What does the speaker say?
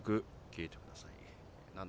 聞いてください。